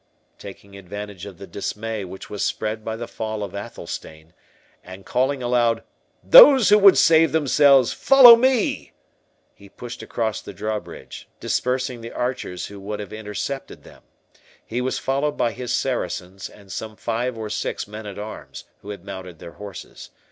Taking advantage of the dismay which was spread by the fall of Athelstane, and calling aloud, "Those who would save themselves, follow me!" he pushed across the drawbridge, dispersing the archers who would have intercepted them. He was followed by his Saracens, and some five or six men at arms, who had mounted their horses.